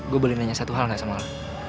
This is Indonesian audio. gue beli nanya satu hal gak sama lo